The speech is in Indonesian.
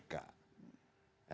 nah kita lihat dulu